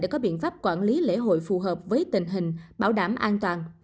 để có biện pháp quản lý lễ hội phù hợp với tình hình bảo đảm an toàn